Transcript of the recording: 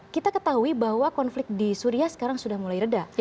kita ketahui bahwa konflik di suria sekarang sudah mulai reda